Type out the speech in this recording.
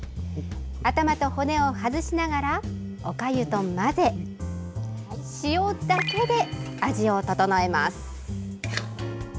頭と骨を外しながらおかゆと混ぜ塩だけで味を調えます。